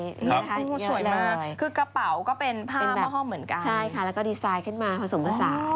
สวยมากคือกระเป๋าก็เป็นผ้าห้อมเหมือนกันใช่ค่ะแล้วก็ดีไซน์ขึ้นมาผสมผสาน